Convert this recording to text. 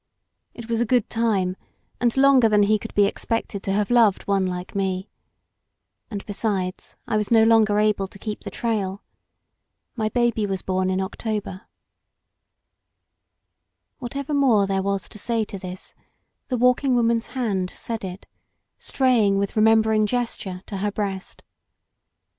It was a good time, and longer than he could be expected to have lov^d one like me. And besides, I ww 90f LOST BORDERS no longer able to keep the trail. My Mby was bom in October." Whatever more there was to say to this, the Walking Woman's hand said it, straying with remembering gesture to her breast.